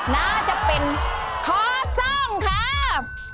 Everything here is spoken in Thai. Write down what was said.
นะจะเป็นข้อ๒ครับ